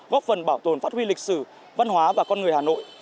góp phần bảo tồn phát huy lịch sử văn hóa và con người hà nội